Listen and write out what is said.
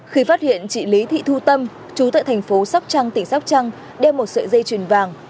khi phát hiện chị lý thị thu tâm chú tại thành phố sóc trăng tỉnh sóc trăng đeo một sợi dây chuyền vàng